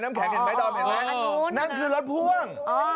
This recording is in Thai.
น้ำแข็งเห็นไหมดอมเห็นไหม